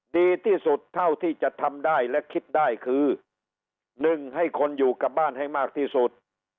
ดีที่สุดเท่าที่จะทำได้และคิดได้คือ๑ให้คนอยู่กับบ้านให้มากที่สุด